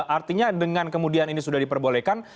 artinya dengan kemudian ini sudah diperbolehkan